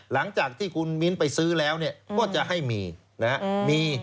หลังจากที่คุณมิ้นไปซื้อแล้วก็จะให้มีนะฮะ